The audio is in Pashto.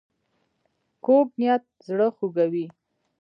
کوږ نیت زړه خوږوي